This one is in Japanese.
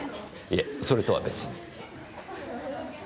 いえそれとは別に。